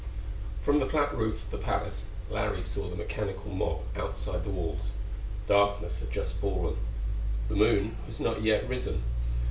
From the flat roof of the palace Larry saw the mechanical mob outside the walls. Darkness had just fallen; the moon was not yet risen.